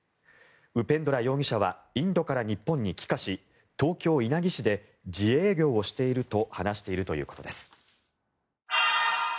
ウペンドラ容疑者はインドから日本に帰化し東京・稲城市で自営業をしていると話しているということです。